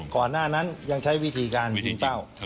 ก่อนหน้านั้นยังใช้วิธีการทิ้งเป้า